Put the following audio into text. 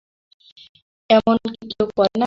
এমন কি কেউ করে না।